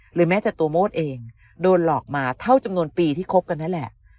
แม้แต่ตัวโมดเองโดนหลอกมาเท่าจำนวนปีที่คบกันนั่นแหละ